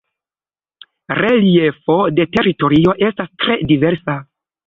Reliefo de teritorio estas tre diversa.